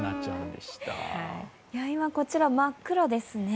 今こちら、真っ暗ですね。